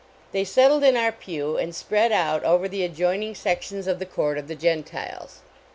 They settled in our pew and spread out over the adjoining sections of the court of the Gentiles.